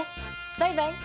バイバイ。